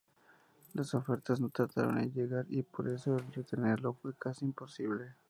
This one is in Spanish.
Las ofertas no tardaron en llegar, y por eso retenerlo fue casi imposible.